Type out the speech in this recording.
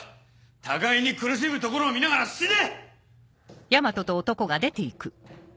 互いに苦しむところを見ながら死ね！